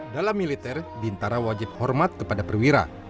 dalam militer bintara wajib hormat kepada perwira